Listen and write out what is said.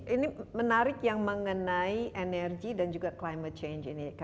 ini menarik yang mengenai energi dan juga climate change ini